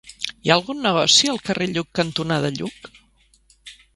Hi ha algun negoci al carrer Lluc cantonada Lluc?